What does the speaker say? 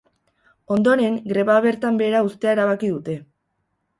Ondoren, greba bertan behera uztea erabaki dute.